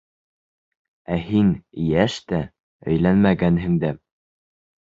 Ә һин йәш тә, өйләнмәгәнһең дә.